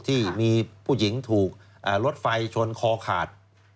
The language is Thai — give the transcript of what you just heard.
ที่มีผู้หญิงถูกรถไฟชนคอขาด